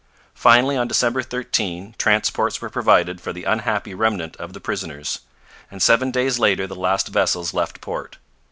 Finally, on December 13, transports were provided for the unhappy remnant of the prisoners; and seven days later the last vessels left port.